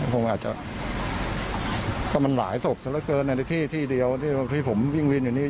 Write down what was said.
คงอาจจะก็มันหลายศพซะละเกินในที่ที่เดียวที่ผมวิ่งวินอยู่นี่